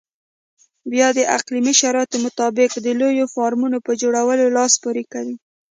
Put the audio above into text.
بیا د اقلیمي شرایطو مطابق د لویو فارمونو په جوړولو لاس پورې کوي.